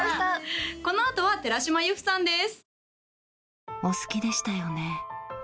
このあとは寺嶋由芙さんです